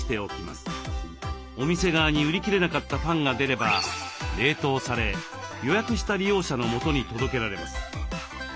お店側に売りきれなかったパンが出れば冷凍され予約した利用者のもとに届けられます。